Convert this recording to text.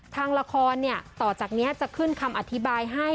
ทางละครต่อจากนี้จะขึ้นคำอธิบายให้